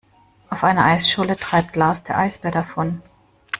Auf einer Eisscholle treibt Lars der Eisbär davon.